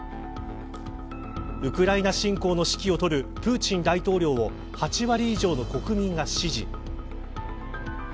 ウクライナ侵攻の指揮をとるプーチン大統領を８割以上の国民が支持。